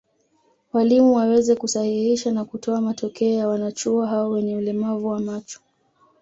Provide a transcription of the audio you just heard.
Walimu waweze kusahihisha na kutoa matokeo ya wanachuo hao wenye ulemavu wa macho